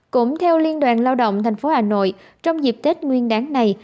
cũng theo liên đoàn lao động tp hà nội trong dịp tết nguyên đáng này